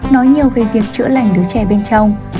nói nhiều về việc chữa lành đứa trẻ bên trong